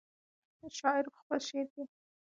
شاعر په خپل شعر کې.